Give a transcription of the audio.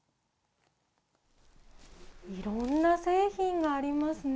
いろんな製品がありますね。